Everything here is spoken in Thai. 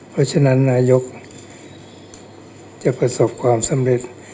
เพราะฉะนั้นนายกจะประสบความสำเร็จ